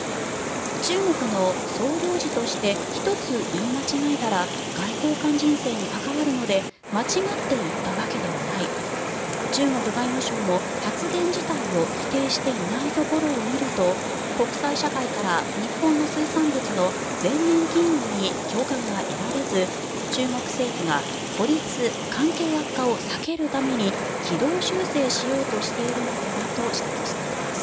中国の総領事として１つ言い間違えたら外交官人生に関わるので間違って言ったわけではない中国外務省も発言自体を否定していないところを見ると国際社会から日本の水産物の全面禁輸に共感が得られず、中国政府が孤立・関係悪化を避けるために軌道修正しようとしているのではと指摘しています。